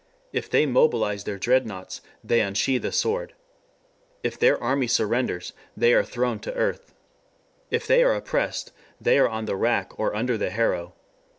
If they mobilize their dread naughts they unsheath a sword. If their army surrenders they are thrown to earth. If they are oppressed they are on the rack or under the harrow.